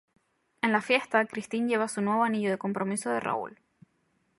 En la fiesta, Christine lleva su nuevo anillo de compromiso de Raoul.